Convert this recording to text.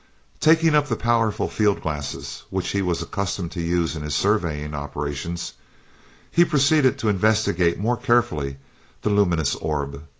Taking up the powerful field glass which he was accustomed to use in his surveying operations, he proceeded to investigate more carefully the luminous orb.